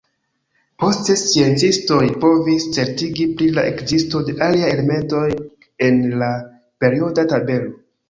Poste, sciencistoj povis certigi pri la ekzisto de aliaj elementoj en la perioda tabelo.